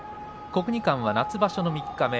国技館、夏場所の三日目